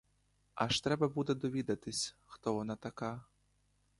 Аж треба буде довідатись, хто вона така.